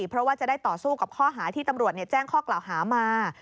เพราะว่าจะได้ต่อสู้กับข้อหาที่ตำรวจแจ้งข้อกล่าวหามา